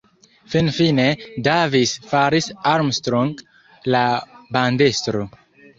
Finfine, Davis faris Armstrong la bandestro.